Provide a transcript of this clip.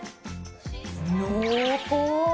濃厚。